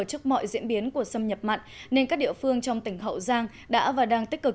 trước mọi diễn biến của xâm nhập mặn nên các địa phương trong tỉnh hậu giang đã và đang tích cực